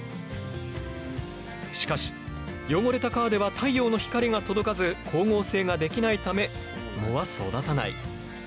しかし汚れた川では太陽の光が届かず光合成ができないため藻は育たない。